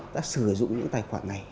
đã sử dụng những tài khoản này